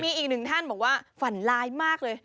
มีอีกหนึ่งท่านบอกว่าฝันร้ายมากเลย